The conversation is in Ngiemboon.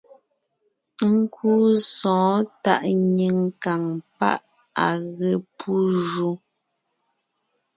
Nkúu sɔ̌ɔn tàʼ nyìŋ kàŋ páʼ à ge pú ju.